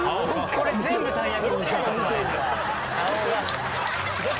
これ全部たい焼き。